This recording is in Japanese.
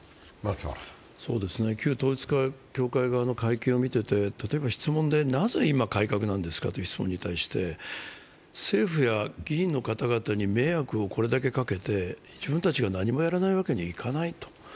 旧統一教会側の会見を見ていて例えば質問で、なぜ今、改革なんですかという質問に対して政府や議員の方々に迷惑をこれだけかけて、自分たちが何もやらないわけにはいかないと。